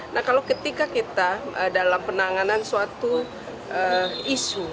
nah kalau ketika kita dalam penanganan suatu isu